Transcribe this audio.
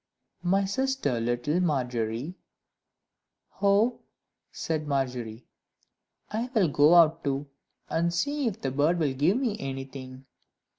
"My sister, little Margery," "Oh!" said Margery, "I will go out too, and see if the bird will give me anything."